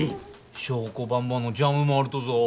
祥子ばんばのジャムもあるとぞぉ。